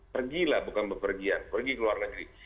pergilah bukan berpergian pergi ke luar negeri